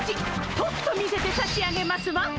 とくと見せてさしあげますわ！